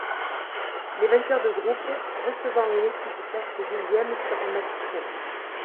Les vainqueurs de groupe recevant une équipe classée deuxième sur un match simple.